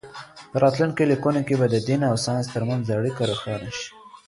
په راتلونکو لیکنو کې به د دین او ساینس ترمنځ اړیکه روښانه شي.